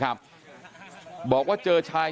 กลุ่มตัวเชียงใหม่